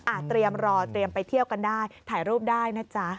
เตรียมรอเตรียมไปเที่ยวกันได้ถ่ายรูปได้นะจ๊ะ